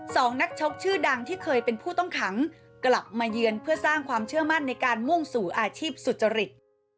สองนักชกชื่อดังที่เคยเป็นผู้ต้องขังกลับมาเยือนเพื่อสร้างความเชื่อมั่นในการมุ่งสู่อาชีพสุจริต